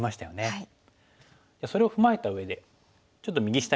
はい。